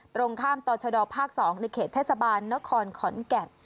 ตรงข้ามต่อชดภาค๒ในเขตเทศบาลนครขอนแก่น